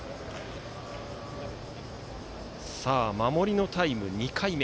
守りのタイム、２回目。